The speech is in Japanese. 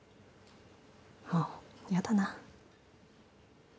もうやだな。